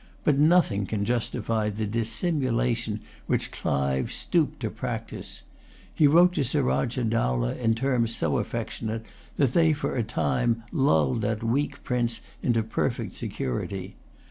But nothing can justify the dissimulation which Clive stooped to practise. He wrote to Surajah Dowlah in terms so affectionate that they for a time lulled that weak prince into perfect security.